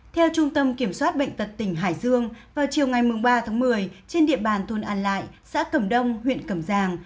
theo trung tâm kiểm soát bệnh tật tỉnh hải dương vào chiều ngày một mươi ba tháng một mươi trên địa bàn thôn an lại xã cẩm đông huyện cẩm giàng